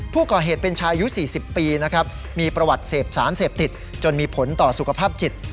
ผู้ก่อเหตุเป็นชายอายุ๔๐ปีนะครับมีประวัติเสพสารเสพติดจนมีผลต่อสุขภาพจิต